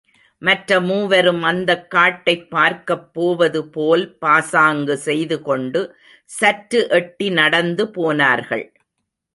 மற்ற மூவரும் அந்தக் காட்டைப் பார்க்கப் போவது போல் பாசாங்கு செய்து கொண்டு சற்று எட்டி நடந்து போனார்கள்.